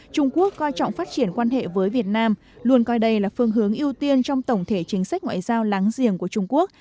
trung quốc coi trọng phát triển quan hệ với việt nam luôn coi đây là phương hướng ưu tiên trong tổng thể chính sách ngoại giao láng giềng của trung quốc